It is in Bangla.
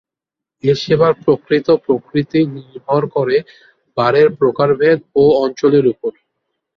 এ সেবার প্রকৃত প্রকৃতি নির্ভর করে বারের প্রকারভেদ ও অঞ্চলের ওপর।